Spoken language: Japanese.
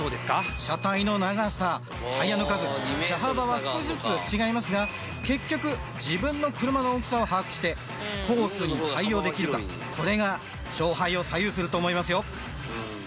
車体の長さタイヤの数車幅は少しずつ違いますが結局自分の車の大きさを把握してコースに対応できるかこれが勝敗を左右すると思いますよ